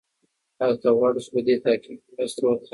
ایا ته غواړې چي په دې تحقیق کې مرسته وکړې؟